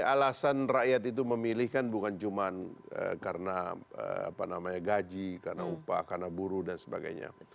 alasan rakyat itu memilih kan bukan cuma karena gaji karena upah karena buruh dan sebagainya